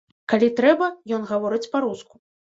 Калі трэба, ён гаворыць па-руску.